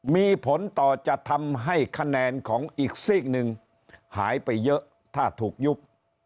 มีผลต่อจะทำให้คะแนนของอีกซีกหนึ่งหายไปเยอะถ้าถูกยุบ